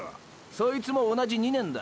そいつも同じ２年だ。